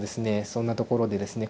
そんなところでですね